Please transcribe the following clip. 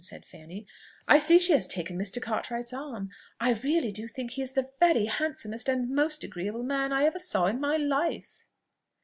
said Fanny. "I see she has taken Mr. Cartwright's arm: I really do think he is the very handsomest and most agreeable man I ever saw in my life!"